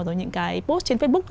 rồi những cái post trên facebook